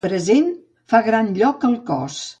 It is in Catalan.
Present fa gran lloc al cos.